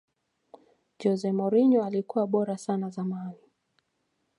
jose mourinho alikuwa bora sana zamani